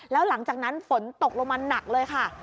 แล้วหลังจากนั้นฝนตกลงมาหนักเลยค่ะ